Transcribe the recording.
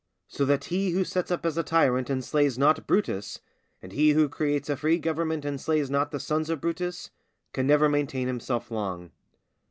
So that he who sets up as a tyrant and slays not Brutus, and he who creates a free government and slays not the sons of Brutus, can never maintain himself long.